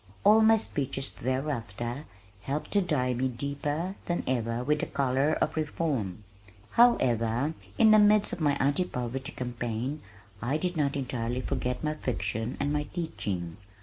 All my speeches thereafter helped to dye me deeper than ever with the color of reform. However, in the midst of my Anti Poverty Campaign, I did not entirely forget my fiction and my teaching.